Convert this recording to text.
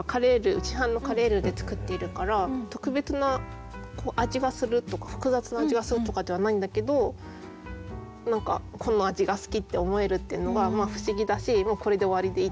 市販のカレールーで作っているから特別な味がするとか複雑な味がするとかではないんだけど何かこの味が好きって思えるっていうのが不思議だしもうこれで終わりでいい